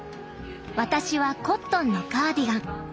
私はコットンのカーディガン。